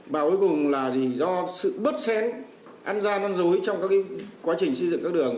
và cuối cùng là do sự bớt xén ăn da ăn dối trong quá trình xây dựng các đường